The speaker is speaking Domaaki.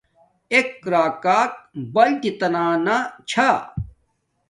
ایک راکاک بلتت تا نہ چھا